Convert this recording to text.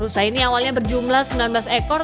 rusa ini awalnya berjumlah sembilan belas ekor